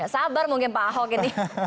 sabar mungkin pak ahok ini